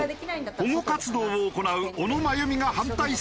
保護活動を行う小野真弓が反対する理由とは？